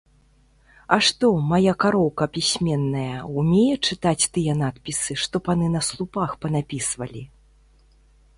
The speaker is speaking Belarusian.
А што, мая кароўка пісьменная, умее чытаць тыя надпісы, што паны на слупах панапісвалі?!